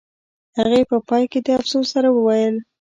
هغې په پای کې د افسوس سره وویل